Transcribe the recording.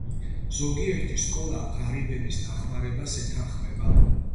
ზოგიერთი სკოლა ღარიბების დახმარებას ეთანხმება.